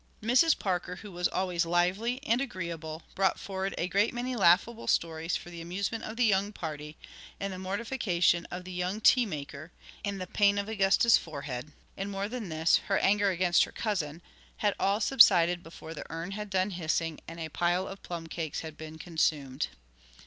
Mrs. Parker, who was always lively and agreeable, brought forward a great many laughable stories for the amusement of the young party; and the mortification of the young tea maker, and the pain of Augusta's forehead, and, more than this, her anger against her cousin, had all subsided before the urn had done hissing and a pile of plum cakes had been consumed.